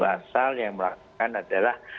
asal yang melakukan adalah